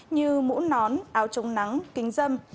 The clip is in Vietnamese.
như mũ nón áo chống nắng kính dâm